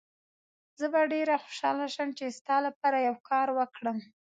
زه به ډېر خوشحاله شم چي ستا لپاره یو کار وکړم.